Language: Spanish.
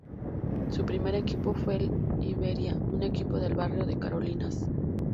Su primer equipo fue el Iberia, un equipo del barrio de Carolinas.